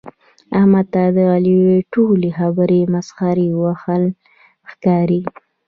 احمد ته د علي ټولې خبرې مسخرې وهل ښکاري.